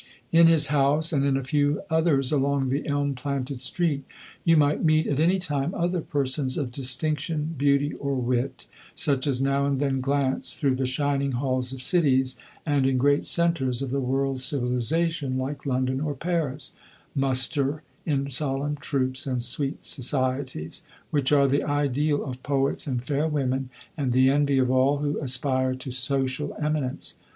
In his house and in a few others along the elm planted street, you might meet at any time other persons of distinction, beauty, or wit, such as now and then glance through the shining halls of cities, and, in great centres of the world's civilization, like London or Paris, muster "In solemn troops and sweet societies," which are the ideal of poets and fair women, and the envy of all who aspire to social eminence.